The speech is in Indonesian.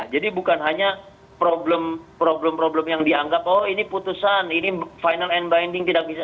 jadi bukan hanya problem problem yang dianggap oh ini putusan ini final and binding tidak bisa